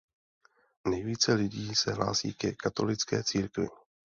Nejvíce lidí se hlásí ke katolické církvi.